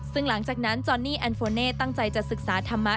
ซึ่งหลังจากนั้นจอนนี่แอนโฟเน่ตั้งใจจะศึกษาธรรมะ